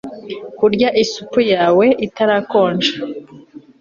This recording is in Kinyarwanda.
Kurya isupu yawe itarakonja